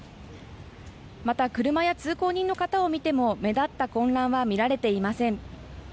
また、車や通行人の方を見ても目立った混乱は見られていません。